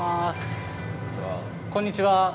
こんにちは。